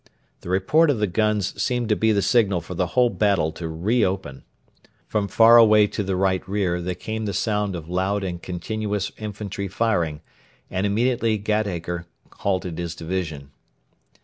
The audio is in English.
The report of the guns seemed to be the signal for the whole battle to reopen. From far away to the right rear there came the sound of loud and continuous infantry firing, and immediately Gatacre halted his division.